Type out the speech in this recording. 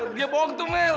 dia bohong tuh mel